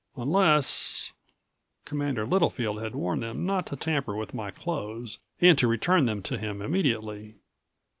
Unless Commander Littlefield had warned them not to tamper with my clothes and to return them to him immediately.